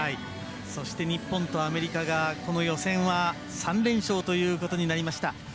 そして、日本とアメリカがこの予選は３連勝ということになりました。